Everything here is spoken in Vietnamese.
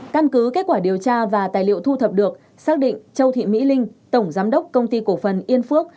căn cứ kết quả điều tra và tài liệu thu thập được xác định châu thị mỹ linh tổng giám đốc công ty cổ phần yên phước